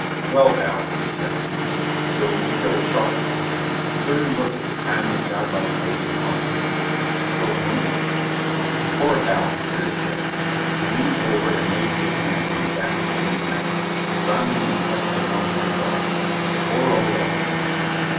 "Well, Al," he said, "so you killed Schaughtowl?" Stern looked at the kindly, godlike face and loved it. Killed whom? "Poor Al," Curtis said. He leaned over and laid his hand on the back of Stern's neck, fondling it much as one would a dog. "Poor old Al."